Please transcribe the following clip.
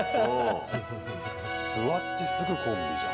座って、すぐコンビじゃん。